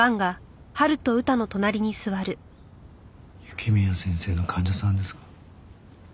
雪宮先生の患者さんですか？